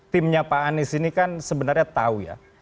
timnya pak anies ini kan sebenarnya tahu ya